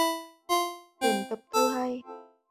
Tuyển tập thơ hay